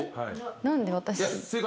何で私。